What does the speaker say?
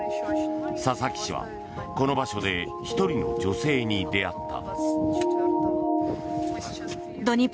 佐々木氏は、この場所で１人の女性に出会った。